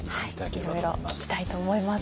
いろいろ聞きたいと思います。